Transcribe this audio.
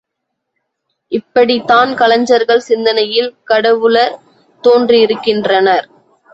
இப்படித்தான் கலைஞர்கள் சிந்தனையில் கடவுளர் தோன்றியிருக்கின்றனர்.